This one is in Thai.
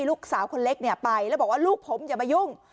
ลูกสาวคนเล็กเนี่ยไปแล้วบอกว่าลูกผมอย่ามายุ่ง